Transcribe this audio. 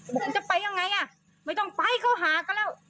บอกว่าจะไปยังไงไม่ต้องไปเขาหาก็แล้ว